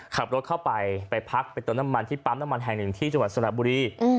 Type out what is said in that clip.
ขับรถเข้าไปไปพักไปเติมน้ำมันที่ปั๊มน้ำมันแห่งหนึ่งที่จังหวัดสระบุรี